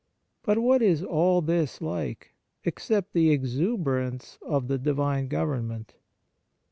But what is all this like, except the exuberance of the Divine government